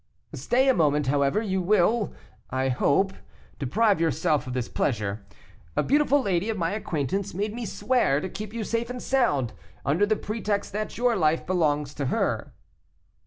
"Stay a moment, however; you will, I hope, deprive yourself of this pleasure. A beautiful lady of my acquaintance made me swear to keep you safe and sound, under pretext that your life belongs to her."